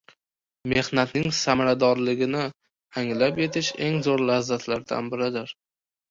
Mehnatning samaradorligini anglab yetish eng zo‘r lazzatlardan biridir.